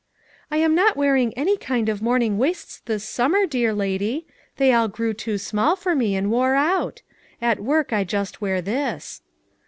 "I am not wearing any kind of morning waists this summer, dear lady; they all grew too small for me, and wore out. At work I just wear this."